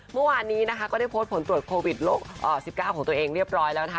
เมื่อวานนี้นะคะก็ได้โพสต์ผลตรวจโควิด๑๙ของตัวเองเรียบร้อยแล้วนะคะ